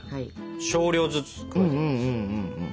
少量ずつ加えていきます。